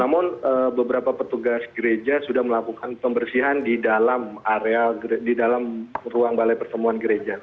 namun beberapa petugas gereja sudah melakukan pembersihan di dalam ruang balai pertemuan gereja